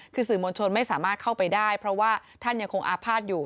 คือสื่อมวลชนไม่สามารถเข้าไปได้เพราะว่าท่านยังคงอาภาษณ์อยู่